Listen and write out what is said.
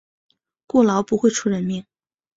过劳不会出人命